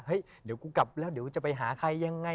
เฮ้ยเดี๋ยวกูกลับแล้วเดี๋ยวจะไปหาใครยังไง